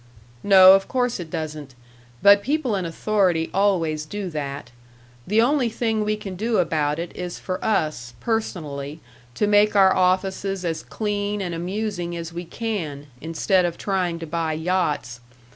"No, of course it doesn't. But people in authority always do that. The only thing we can do about it is for us, personally, to make our offices as clean and amusing as we can, instead of trying to buy yachts.